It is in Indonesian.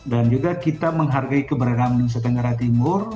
dan juga kita menghargai keberanian di setengah timur